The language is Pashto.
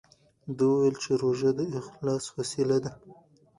ده وویل چې روژه د اخلاص وسیله ده.